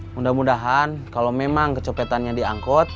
mudah mudahan kalau memang kecopetannya diangkut